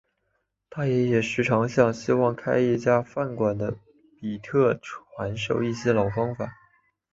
他爷爷时常向希望开一家饭馆的比特传授一些老方法。